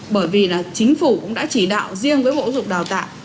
bởi vì là chính phủ cũng đã chỉ đạo riêng với bộ giáo dục đào tạo